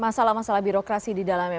masalah masalah birokrasi di dalamnya